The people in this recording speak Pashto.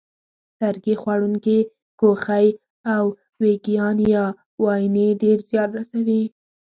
لرګي خوړونکي کوخۍ او وېږیان یا واینې ډېر زیان رسوي.